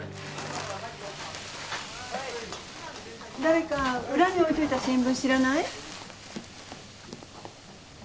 誰か裏に置いといた新聞知らない？